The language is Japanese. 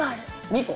２個。